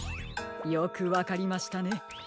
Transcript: よくわかりましたね。